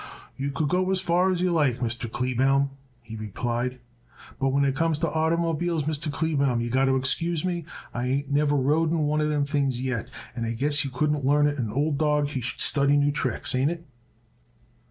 "You could go as far as you like, Mr. Kleebaum," he replied, "but when it comes to oitermobiles, Mr. Kleebaum, you got to excuse me. I ain't never rode in one of them things yet, and I guess you couldn't learn it an old dawg he should study new tricks. Ain't it?"